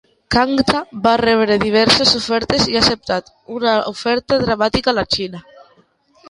Kangta va rebre diverses ofertes i ha acceptat una oferta dramàtica a la Xina.